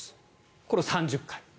これを３０回。